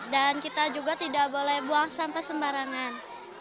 dan kita juga tidak boleh buang sampah sembarangan